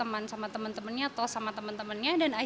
untuk mengembangkan potensi anak